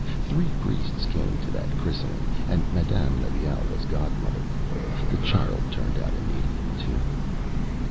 Three priests came to that christening, and Madame Levaille was godmother. The child turned out an idiot too.